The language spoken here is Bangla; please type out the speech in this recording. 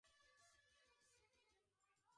এ বয়সে কি আর বিপদকে ভয় করি!